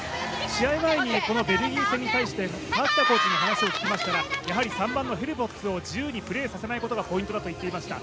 試合前にベルギー戦に対してコーチに話を聞きましたらやはり３番のヘルボッツを自由にプレーさせないことがポイントだと言っていました。